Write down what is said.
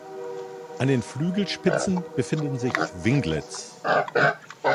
An den Flügelspitzen befinden sich Winglets.